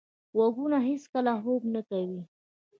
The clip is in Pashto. غوږونه هیڅکله خوب نه کوي.